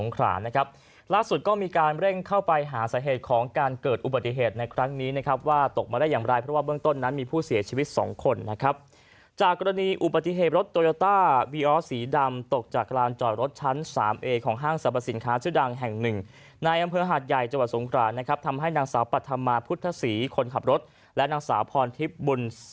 คนขับรถและนางสาวพรทิพย์บุญสิ่งศรีนะครับ